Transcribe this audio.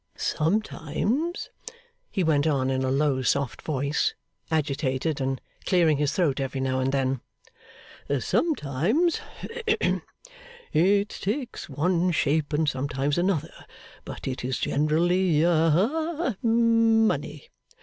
'Sometimes,' he went on in a low, soft voice, agitated, and clearing his throat every now and then; 'sometimes hem it takes one shape and sometimes another; but it is generally ha Money.